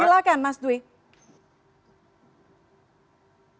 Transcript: silahkan mas dwi